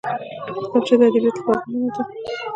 کتابچه د ادبیاتو لپاره مهمه ده